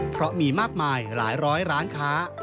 เพราะมีมากมายหลายร้อยร้านค้า